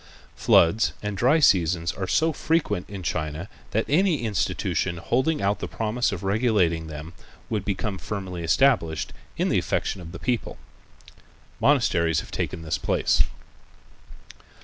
Floods and dry seasons are so frequent in China that any institution holding out the promise of regulating them would become firmly established in the affection of the people. The monasteries have taken this place.